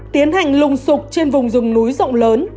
tiến hành lùng sụp trên vùng rừng núi rộng lớn